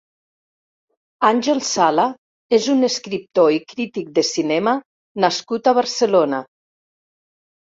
Àngel Sala és un escriptor i crític de cinema nascut a Barcelona.